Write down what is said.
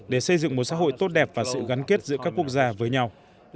để xây dựng một xã hội tốt đẹp và sự gắn kết giữa các quốc gia với nhau